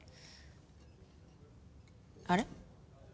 あれ？